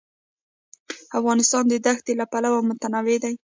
افغانستان د دښتې له پلوه متنوع دی.